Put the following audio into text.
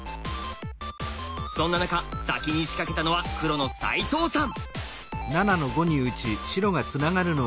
そんな中先に仕掛けたのは黒の齋藤さん。